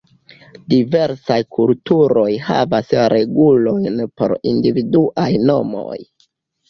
Diversaj kulturoj havas regulojn por individuaj nomoj.